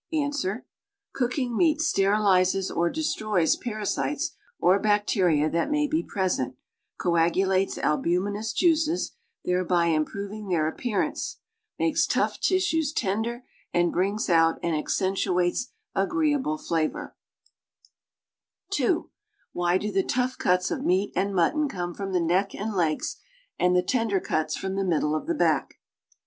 Ans. Cooking meat sterilizes or destroys [)arasites or bacteria that may be present, coagulates albuminous juices, Uiereby improv ing their appearance, makes tough tissues tender and brings out and accentuates agreeable flavor, (2) Why do the tough cuts of beef and mutton come from the neck and legs and the tender cuts from the middle of the b^ck?